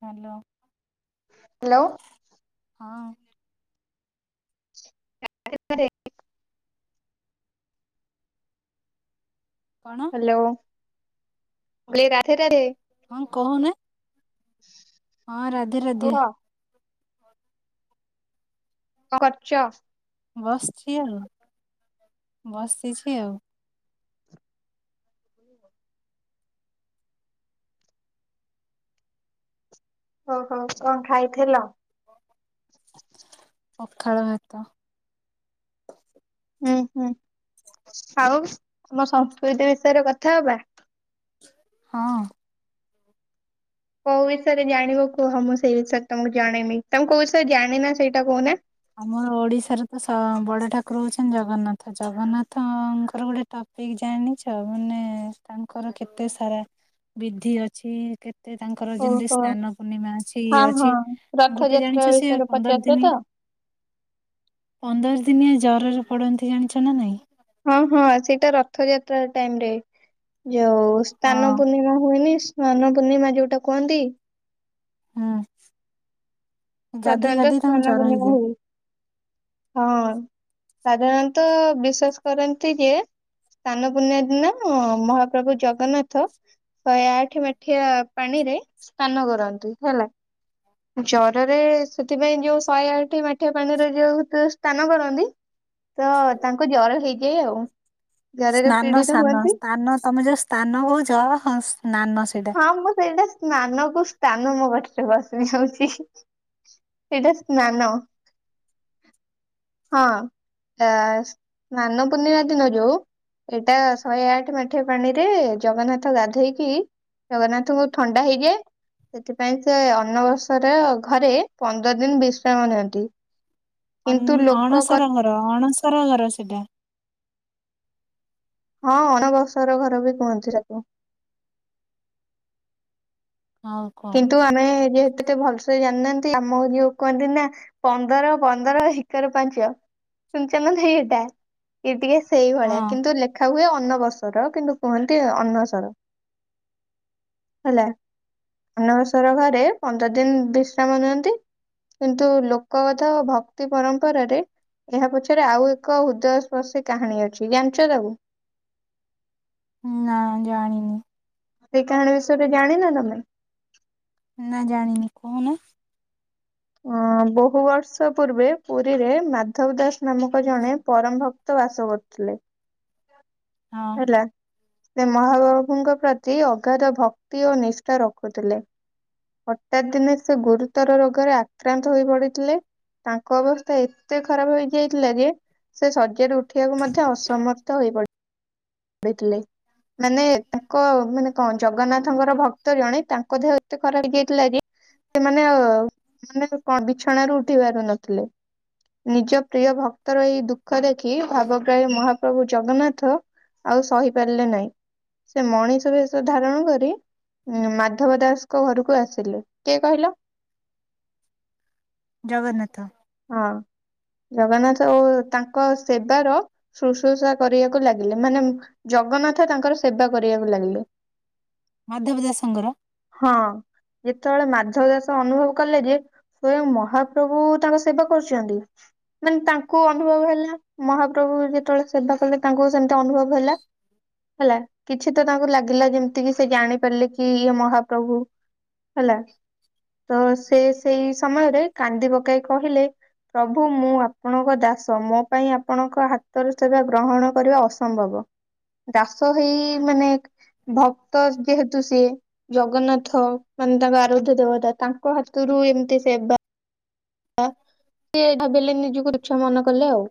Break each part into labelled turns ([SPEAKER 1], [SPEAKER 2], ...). [SPEAKER 1] Hello.
[SPEAKER 2] Hello.
[SPEAKER 1] ହଁ
[SPEAKER 2] [inaudible]
[SPEAKER 1] କଣ
[SPEAKER 2] hello. Radhe Radhe.
[SPEAKER 1] ହଁ କହୁନା ହଁ ରାଧେ
[SPEAKER 2] କୁହ
[SPEAKER 1] ରାଧେ।
[SPEAKER 2] କଣ କରୁଛ?
[SPEAKER 1] ବସିଛି ଆଉ। ବସିଛି ଆଉ।
[SPEAKER 2] ଓହୋ କଣ ଖାଇଥିଲ?
[SPEAKER 1] ହଁ।
[SPEAKER 2] [unintelligible]
[SPEAKER 1] ପଖାଳ ଭାତ।
[SPEAKER 2] ହୁଁ ହୁଁ। ଆଉ ତମ ସଂସ୍କୃତି ବିଷୟରେ କଥା ହବା?
[SPEAKER 1] ହଁ।
[SPEAKER 2] କୋଉ ବିଷୟରେ ଜାଣିବ କୁହ ମୁଁ ସେଇ ବିଷୟରେ ତମକୁ ଜଣେଇମି। ତମେ କୋଉ ବିଷୟରେ ଜାଣିନ ନା ସେଇଟା କହୁନା।
[SPEAKER 1] ଆମର ଓଡିଶାର ତ ସ ବଡ ଠାକୁର ହଉଛନ୍ତି ଜଗନ୍ନାଥ। ଜଗନ୍ନାଥଙ୍କର ଗୋଟେ ଟପ- କି ଜାଣିଛ ମାନେ ତାଙ୍କର କେତେ ସାରା ବିଧି ଅଛି। କେ- ତାଙ୍କର ଯେମିତି
[SPEAKER 2] ଓହୋ
[SPEAKER 1] ସ୍ନାନ ପୂର୍ଣ୍ଣିମା ଅଛି ଇଏ
[SPEAKER 2] ହଁ
[SPEAKER 1] ଅଛି
[SPEAKER 2] ହଁ
[SPEAKER 1] ଗୋଟେ
[SPEAKER 2] ରଥଯାତ୍ରା
[SPEAKER 1] ଜାଣିଛ ସେ
[SPEAKER 2] ବିଷୟରେ
[SPEAKER 1] ପନ୍ଦର
[SPEAKER 2] ପଚାରୁଛ
[SPEAKER 1] ଦିନି-
[SPEAKER 2] ତ?
[SPEAKER 1] ପନ୍ଦର ଦିନିଆ ଜରରେ ପଡନ୍ତି ଜାଣିଛ ନା ନାଇଁ?
[SPEAKER 2] ହଁ ହଁ ସେଇଟା ରଥଯାତ୍ରା ଟାଇମ ରେ। ଯୋଉ ସ୍ନାନ
[SPEAKER 1] ହଁ
[SPEAKER 2] ପୂର୍ଣ୍ଣିମା ହୁଏନି ସ୍ନାନ ପୂର୍ଣ୍ଣିମା ଯୋଉଟା କୁହନ୍ତି।
[SPEAKER 1] ହଁ।
[SPEAKER 2] ପ୍ରଥମତଃ ସ୍ନାନ ପୂର୍ଣ୍ଣିମା ହୁଏ। ହଁ ସାଧାରଣତଃ ବିଶ୍ଵାସ କରନ୍ତି ଯେ- ସ୍ଥାନ ପୂର୍ଣ୍ଣିମା ଦିନ ମହାପ୍ରଭୁ ଜଗନ୍ନାଥ- ଶହେ ଆଠେ ମାଠିଆ ପାଣି ରେ ସ୍ନାନ କରନ୍ତି ହେଲା। ଜ୍ୱରରେ ସେଥିପାଇଁ ଯୋଉ ଶହେ ଆଠ ମାଠିଆ ପାଣିରେ ଯୋଉ ସ୍ନାନ କରନ୍ତି। ତ ତାଙ୍କୁ ଜର ହେଇଯାଏ ଆଉ। ଜରରେ
[SPEAKER 1] ସ୍ନାନ
[SPEAKER 2] ପୀଡିତ
[SPEAKER 1] ସାନ
[SPEAKER 2] ହୁଅନ୍ତି।
[SPEAKER 1] ସ୍ଥାନ ତମେ ଯୋଉ ସ୍ଥାନ କହୁଚ ସ୍ନାନ ସେଇଟା।
[SPEAKER 2] ହଁ ମୁଁ ସେଇଟା ସ୍ନାନ କୁ ସ୍ଥାନ ମୁଁ ପାଟିରେ ପସ ହଉଛି ସେଇଟା ସ୍ନାନ ହଁ ଆ ସ୍ନାନ ପୂର୍ଣ୍ଣିମା ଦିନ ଯୋଉ ଏଇଟା ଶହେ ଆଠ ମାଠିଆ ପାଣିରେ ଜଗନ୍ନାଥ ଗାଧେଇକି ଜଗନ୍ନାଥଙ୍କୁ ଥଣ୍ଡା ହେଇଯାଏ ସେଥିପାଇଁ ସେ ଆ ସର ଘରେ ପନ୍ଦର ଦିନ ବିଶ୍ରାମ ନିଅନ୍ତି।
[SPEAKER 1] ଅନ
[SPEAKER 2] କିନ୍ତୁ ଲୋକ କ
[SPEAKER 1] ଆଣସର ଘର ଆଣସର ଘର ସେଟା।
[SPEAKER 2] ହଁ ଅଣବସର ଘର ବି କୁହନ୍ତି ତାକୁ।
[SPEAKER 1] ହଉ କୁହ
[SPEAKER 2] କିନ୍ତୁ ଆମେ ଯେହେତୁ ଏତେ ଭଲସେ ଜାଣିନାହାନ୍ତି ଆମର ଯୋଉ କହନ୍ତି ନା ପନ୍ଦର ପନ୍ଦର ଏକରେ ପାଞ୍ଚ। ଶୁଣିଛ ନାଁ ନାହିଁ ଏଟା ଇଏ ଟିକେ ସେଇଭଳିଆ
[SPEAKER 1] ହଁ।
[SPEAKER 2] କିନ୍ତୁ ଲେଖା ହୁଏ ଅ ଅନବସର କିନ୍ତୁ କୁହନ୍ତି ଅନସର ହେଲା। ଅନବସର ଘରେ ପନ୍ଦର ଦିନ ବିଶ୍ରାମ ନିଅନ୍ତି। କିନ୍ତୁ ଲୋକ କଥା ଓ ଭକ୍ତି ପରମ୍ପରାରେ ଏହା ପଛରେ ଆଉ ଏକ ହୃଦୟ ସ୍ପର୍ଶୀ କାହାଣୀ ଅଛି ଜାଣିଛ ତାକୁ?
[SPEAKER 1] ନା ଜାଣିନି।
[SPEAKER 2] ସେ କାହାଣୀ ବିଷୟରେ ଜାଣିନ ତମେ?
[SPEAKER 1] ନା ଜାଣିନି କହୁନ।
[SPEAKER 2] ହଁ ବହୁ ବର୍ଷ ପୂର୍ବେ ପୁରୀରେ ମାଧବ ଦାସ ନାମକ ଜଣେ ପରମ ଭକ୍ତ ବାସ କରୁଥିଲେ। ଥିଲେ
[SPEAKER 1] ହଁ।
[SPEAKER 2] ସେ ମହାପ୍ରଭୁଙ୍କ ପ୍ରତି ଅଗାଧ ଭକ୍ତି ଓ ନିଷ୍ଠା ରଖୁଥିଲେ। ହଠାତ୍ ଦିନେ ସେ ଗୁରୁତର ରୋଗରେ ଆକ୍ରାନ୍ତ ହୋଇ ପଡିଥିଲେ। ତାଙ୍କ ଅବସ୍ଥା ଏତେ ଖରାପ ହେଇଯାଇଥିଲା ଯେ ସେ ଶଯ୍ୟାରୁ ଉ ଠିବାକୁ ମଧ୍ୟ ଅସମର୍ଥ ହୋଇ ପଡି ଇଥିଲେ। ମାନେ ତାଙ୍କ ମାନେ କଣ ଜଗନ୍ନାଥଙ୍କର ଭକ୍ତ ଜଣେ ତାଙ୍କ ଦେହ ଏତେ ଖରା ହେଇଯାଇଥିଲା କି ସେମାନେ ଆଉ ସେମାନେ କଣ ବିଛଣାରୁ ଉଠି ପାରୁ ନଥିଲେ। ନିଜ ପ୍ରିୟ ଭକ୍ତର ଏଇ ଦୁଃଖ ଦେଖି ଭାବଗ୍ରାହୀ ମହାପ୍ରଭୁ ଜଗନ୍ନାଥ ଆଉ ସହି ପାରିଲେ ନାହିଁ ସେ ମଣିଷ ବେଶ ଧାରଣ କରି ଉଁ ମାଧବ ଦାସଙ୍କ ଘରକୁ ଆସିଲି କିଏ କହିଲ?
[SPEAKER 1] ଗନ୍ନାଥ
[SPEAKER 2] ହଁ। ଜଗନ୍ନାଥ ଓ ତାଙ୍କ ସେବାର ଶୁଶ୍ରୂଷା କରିବାକୁ ଲାଗିଲେ ମାନେ ଜଗନ୍ନାଥ ତାଙ୍କର ସେବା କରିବାକୁ ଲାଗିଲେ।
[SPEAKER 1] ମାଧବ ଦାସଙ୍କର
[SPEAKER 2] ହଁ ଯେତେବେଳେ ମାଧବ ଦାସ ଅନୁଭବ କଲେ ଯେ ସ୍ଵୟଂ ମହାପ୍ରଭୁ ତାଙ୍କ ସେବା କରୁଚନ୍ତି ମାନେ ତାଙ୍କୁ ଅନୁଭବ ହେଲା ମହାପ୍ରଭୁ ଯେତେବେଳେ ସେବା କଲେ ତାଙ୍କୁ ସେମତି ଅନୁଭବ ହେଲା। ହେଲା କିଛି ତ ତାଙ୍କୁ ଲାଗିଲା ଯେମିତି କିି ସେ ଜାଣିପାରିଲେ କି ଇଏ ମହାପ୍ରଭୁ। ହେଲା ତ ସେ ସେଇ ସମୟରେ କାନ୍ଦି ପକାଇ କହିଲେ ପ୍ରଭୁ ମୁଁ ଆପଣଙ୍କ ଦାସ ମୋ ପାଇଁ ଆପଣଙ୍କ ହାତ ଉତ୍ତର ସେବା ଗ୍ରହଣ କରିବା ଅସମ୍ଭବ। ଦାସ ହେଇ ମାନେ ଭକ୍ତ ଯେହେତୁ ସିଏ ଜଗନ୍ନାଥ ମାନେ ତାଙ୍କ ଆରାଧ୍ୟ ଦେବତା ତାଙ୍କୁ ହସେଇ ଏମତି ସେବା ବା ଲେ ନିଜକୁ ତୁଛ ମନ କଲେ ଆଉ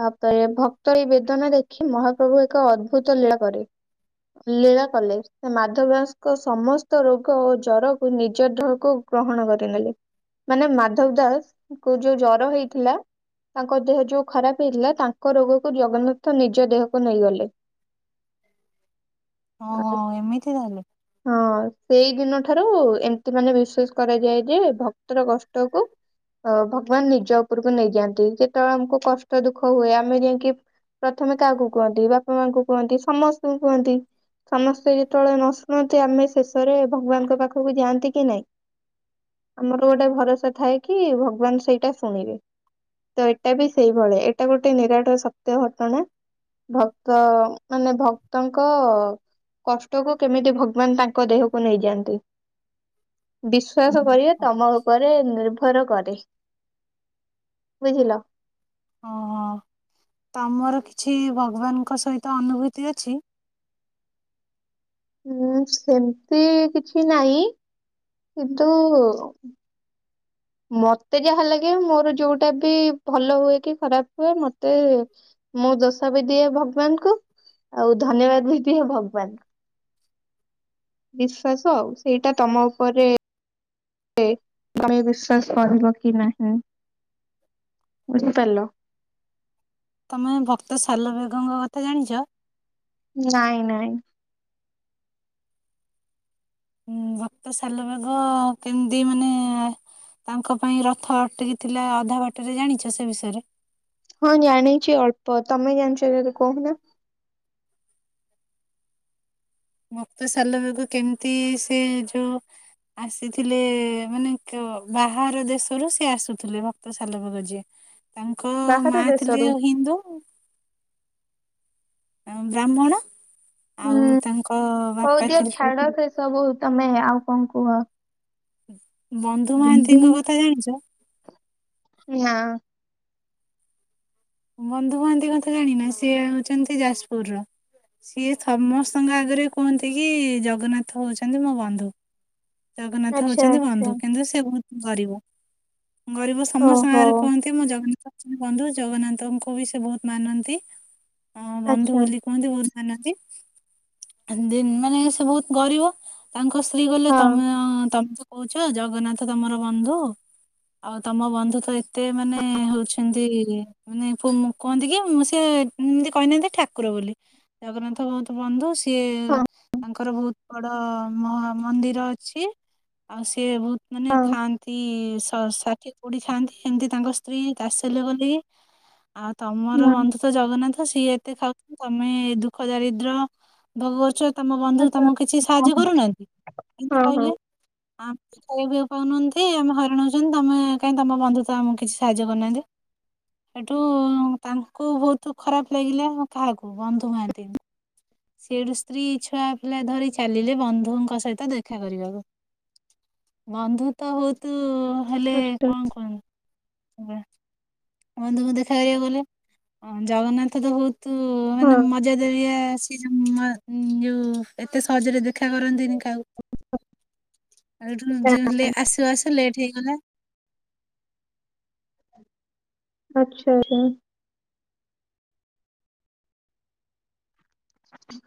[SPEAKER 2] ତାପରେ ଭକ୍ତ ଏ ବେଦନା ଦେଖି ମହାପ୍ରଭୁ ଏକ ଅଦ୍ଭୁତ ଲୀଳା କରେ ଲୀଳା କଲେ ସେ ମାଧବସ ସମସ୍ତ ରୋଗ ଓ ଜରକୁ ନିଜ ଦେହକୁ ଗ୍ରହଣ କରିନେଲେ। ମାନେ ମାଧବ ଦାସଙ୍କୁ ଯୋଉ ଜର ହେଇଥିଲା ତାଙ୍କ ଦେହ ଯୋଉ ଖରାପ ହେଇଥିଲା ତାଙ୍କ ରୋଗକୁ ଜଗନ୍ନାଥ ନିଜ ଦେହକୁ ନେଇଗଲେ। ଆ
[SPEAKER 1] ଓହୋ ଏମିତି ତାହେଲେ
[SPEAKER 2] ହଁ। ସେଇ ଦିନ ଠାରୁ ଏମତି ମାନେ ବିଶ୍ଵାସ କରାଯାଏ ଯେ ଭକ୍ ତିର କଷ୍ଟକୁ ଅ ଭଗବାନ ନିଜ ଉପରକୁ ନେଇଯାଆନ୍ତି ତ୍ ଯେତେବେଳେ ଆମକୁ କଷ୍ଟ ଦୁଃଖ ହୁଏ ଆମେ ଯାଇକି ପ୍ରଥମେ କାହାକୁ କୁହନ୍ତି ବାପା ମାଆଙ୍କୁ କୁହନ୍ତି ସମସ୍ତଙ୍କୁ କୁହନ୍ତି ସମସ୍ତେ ଯେତେବେଳେ ନ ଶୁଣନ୍ତି ଆମେ ସେସ୍ ରେ ଭଗବାନଙ୍କ ପାଖକୁ ଯାଆନ୍ତି କି ନାଇଁ ଆମର ଗୋଟେ ଭରସା ଥାଏ କି ଭଗବାନ ସେଇଟା ଶୁଣିବେ ତ ଏଇଟା ବି ସେଇଭଳି ଏଇଟା ଗୋଟେ ନିରାଟ ସତ୍ୟ ଘଟଣା। ଭକ୍ତ ମାନେ ଭକ୍ତଙ୍କ କଷ୍ଟକୁ କେମିତି ଭଗବାନ ତାଙ୍କ ଦେହକୁ ନେଇଯାଆନ୍ତି।
[SPEAKER 1] ହ
[SPEAKER 2] ବିଶ୍ଵାସ କରିବା ତମ ଉପରେ ନିର୍ଭର କରେ ବୁଝିଲ?
[SPEAKER 1] ଓହୋ ତମର କିଛି ଭଗବାନଙ୍କ ସହିତ ଅନୁଭୂତି ଅଛି?
[SPEAKER 2] ହୁଁ ସେମିତି କିଛି ନାଇଁ କିନ୍ତୁ
[SPEAKER 1] [inaudible]
[SPEAKER 2] ମତେ ଯାହା ଲାଗେ ମୋର ଯୋଉଟା ବି ଭଲ ହୁଏ କି ଖରାପ ହୁଏ ମତେ ମୁଁ ଦୋଷା ବି ଦିଏ ଭଗବାନ କ ଆଉ ଧନ୍ୟବାଦ ବି ଦିଏ ଭଗବାନ ବିଶ୍ଵାସ ଆଉ ସେଇଟା ତମ ଉପରେ ଆମେ ବିଶ୍ୱାସ କରିବ କି ନାହିଁ। ବୁଝିପାରିଲ?
[SPEAKER 1] ତମେ ଭକ୍ତ ସାଲ ବେଗଙ୍କ କଥା ଜାଣିଚ
[SPEAKER 2] ନାଇଁ ନାଇଁ।
[SPEAKER 1] ଭକ୍ତ ସାିଲ ବାଗ କେମିତି ମାନେ ତାଙ୍କ ପାଇଁ ରଥ ଅତିକିଥିଲା ଅଧା ବାଟରେ ଜାଣିଛ ସେ ବିଷୟରେ?
[SPEAKER 2] ହଁ ଜାଣିଛି ଅଳ୍ପ ତମେ ଜାଣିଛ ଜଦୀ କହୁନା।
[SPEAKER 1] ମୁକ୍ତ ସାଲ ବେଗ କେମିତି ସେ ଯୋଉ। ଆସିଥିଲେ ମାନେ ବାହାର ଦେଶରୁ ସେିଏ ଆସୁଥିଲେ ଭକ୍ତ ସାଲ ବେଗ ଯିଏ। ତାଙ୍କ
[SPEAKER 2] ବାହାର
[SPEAKER 1] ମା ଥିଲେ
[SPEAKER 2] ଦେଶରୁ
[SPEAKER 1] ହିନ୍ଦୁ। ବ୍ରାହ୍ମଣ ଆଉ
[SPEAKER 2] ହୁଁ
[SPEAKER 1] ତାଙ୍କ
[SPEAKER 2] ହଉ
[SPEAKER 1] ବାପା
[SPEAKER 2] ଦିଅ
[SPEAKER 1] ଥିଲେ
[SPEAKER 2] ଛାଡ ସେ ସବୁ ତମେ ଆଉ କଣ କୁହ?
[SPEAKER 1] ବନ୍ଧୁ ମହାନ୍ତିଙ୍କ କଥା ଜାଣିଛ?
[SPEAKER 2] ନା
[SPEAKER 1] ବନ୍ଧୁ ମହାନ୍ତି କଥା ଜାଣିନା ସିଏ ହଉଛନ୍ତି ଯାଜପୁର ର। ସିଏ ସମସ୍ତଙ୍କ ଆଗରେ କୁହନ୍ତି କି ଜଗନ୍ନାଥ ହଉଛନ୍ତି ମୋ ବନ୍ଧୁ। ଜଗନ୍ନାଥ
[SPEAKER 2] ଆଚ୍ଛା
[SPEAKER 1] ହଉଛନ୍ତି
[SPEAKER 2] ଆଚ୍ଛା
[SPEAKER 1] ବନ୍ଧୁ କିନ୍ତୁ ସେ ବହୁତ ଗରିବ। ଗରିବ ସମସ୍ତଙ୍କ
[SPEAKER 2] ଓହୋ
[SPEAKER 1] ଆଗରେ କୁହନ୍ତି ମୁଁ ଜଗନ୍ନାଥ ଙ୍କଅ ବନ୍ଧୁ ଜଗନ୍ନାଥ ଙ୍କୁ ବି ସେ ବହୁତ ମାନନ୍ତି ଅ ବନ୍ଧୁ
[SPEAKER 2] ଆଚ୍ଛା
[SPEAKER 1] ବୋଲି କୁହନ୍ତି। ମହାନ୍ତି ମାନେ ସେ ବହୁତ ଗରିବ। ତାଙ୍କ ସ୍ତ୍ରୀ ଗଲେ
[SPEAKER 2] ହଁ
[SPEAKER 1] ତମେ ତମେ ତ କହୁଛ ଜଗନ୍ନାଥ ତମର ବନ୍ଧୁ। ଆଉ ତମ ବନ୍ଧୁ ତ ଏତେ ମାନେ ହଉଛନ୍ତି? ମାନେ କୁହନ୍ତି କି ମୁଁ ସେ ଏମିତି କହିନାହାନ୍ତି ଠାକୁର ବୋଲି ଜଗନ୍ନାଥ ବହୁତ ବନ୍ଧୁ। ସିଏ
[SPEAKER 2] ହଁ
[SPEAKER 1] ତାଙ୍କର ବହୁତ ବଡ ମହା ମନ୍ଦିର ଅଛି ଆଉ ସିଏ ବହୁତ ମାନେ
[SPEAKER 2] ହଁ।
[SPEAKER 1] ଖାଆନ୍ତିଷାଠିଏ କୁଡିୀ ଖାଆନ୍ତି ସେମିତି ତାଙ୍କ ସ୍ତ୍ରୀ ତାସଲ୍ୟ କଲେ। ଆଉ ତମର
[SPEAKER 2] ହଁ
[SPEAKER 1] ବନ୍ଧୁ ତ ଜଗନ୍ନାଥ। ସିଏ ଏତେ ଖାଉଚନ୍ତି ତମେ ଦୁଃଖ ଦାରିଦ୍ର ଭୋଗ ତମ ବନ୍ଧୁ
[SPEAKER 2] ଆଚ୍ଛା
[SPEAKER 1] ତମକୁ କିଛି
[SPEAKER 2] ହଁ
[SPEAKER 1] ସାହାଯ୍ୟ
[SPEAKER 2] ହଁ।
[SPEAKER 1] କରୁନାହାନ୍ତି ଏମତି
[SPEAKER 2] ହଁ ହଁ
[SPEAKER 1] କହିଲେ ଆ ଖି ପାଉନାହାନ୍ତି। ସେଇ ଆମେ ହଇରାଣ ହେଉଛନ୍ତି ତମେ କାହିଁକି ତୁମ ବନ୍ଧୁ ତ ଆମକୁ କିଛି ସାହାଯ୍ୟ କରିୁନାହାନ୍ତି। ସେଠୁ ତାଙ୍କୁ ବହୁତ ଖରାପ ଲାଗିଲା କାହାକୁ ବନ୍ଧୁ ମହାନ୍ତିଙ୍କୁ ସେଠୁ ସ୍ତ୍ରୀ ଛୁଆ ପିଲା ଧରି ଚାଲିଲେ ବନ୍ଧୁଙ୍କ ସହିତ ଦେଖା କରିବାକୁ ବନ୍ଧୁତ ବୋହୁତୁ ହେଲେ
[SPEAKER 2] ଆଚ୍ଛା
[SPEAKER 1] କଣ କୁହିମି ଏ ବନ୍ଧୁଙ୍କୁ ଦେଖା କରିବାକୁ ଗଲେ ଜଗନ୍ନାଥ ତ ବହୁତ ମାନେ
[SPEAKER 2] ହଁ
[SPEAKER 1] ମଜା ଦାରିଆ ସେ ଯୋଉ ନୂଆ ଏତେ ସହଜରେ ଦେ ଦୋ କରନ୍ତିନି କାହାକୁ ଆଉ
[SPEAKER 2] ଆଚ୍ଛା
[SPEAKER 1] ଏଠୁ ଆସୁ ଆସୁ ଲେଟେ ହେଇଗଲା।
[SPEAKER 2] ଆଚଛା ଆଛା। ହାଲୋ।